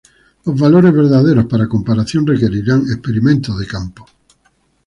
Los valores verdaderos para comparación requerirán experimentos de campo.